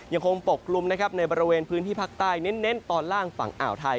ปกลุ่มนะครับในบริเวณพื้นที่ภาคใต้เน้นตอนล่างฝั่งอ่าวไทย